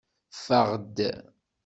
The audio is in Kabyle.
Ffeɣ-d.